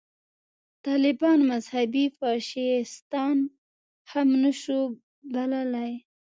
طالبان مذهبي فاشیستان هم نه شو بللای.